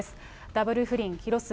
ダブル不倫、広末。